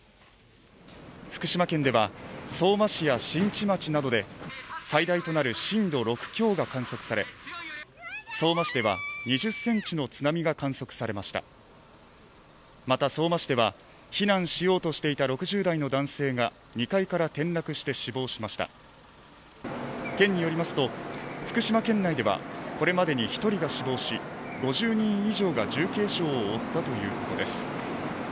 福島県では相馬市や新地町などで最大となる震度６強が観測され相馬市では２０センチの津波が観測されましたまた相馬市では避難しようとしていた６０代の男性が２階から転落して死亡しました県によりますと福島県内ではこれまでに一人が死亡し５０人以上が重軽傷を負ったということです